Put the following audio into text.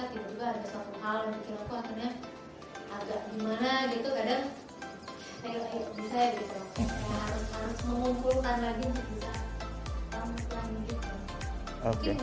bisa di dengar oleh teman teman indonesia